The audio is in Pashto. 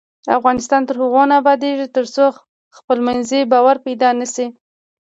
افغانستان تر هغو نه ابادیږي، ترڅو خپلمنځي باور پیدا نشي.